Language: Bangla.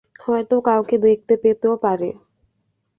হয়তো কাউকে দেখতে পেতেও পারে।